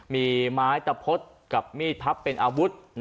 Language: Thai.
มีไม้ตะพดกับมีดพับเป็นอาวุธ